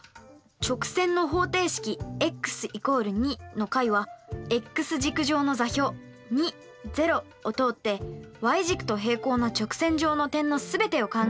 直線の方程式ｘ＝２の解はｘ軸上の座標を通ってｙ軸と平行な直線上の点の全てを考えればいいんですね。